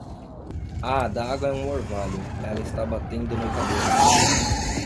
A adaga é um orvalho, ela está batendo no cabelo.